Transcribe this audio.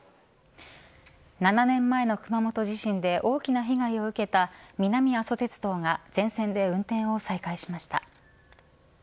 ７年前の熊本地震で大きな被害を受けた南阿蘇鉄道が全線で運転を再開しました。